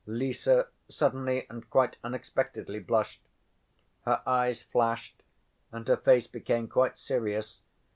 Lise suddenly and quite unexpectedly blushed. Her eyes flashed and her face became quite serious.